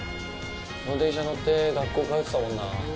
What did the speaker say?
この電車乗って学校通ってたもんな。